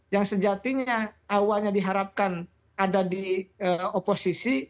yang sejatinya awalnya diharapkan ada di oposisi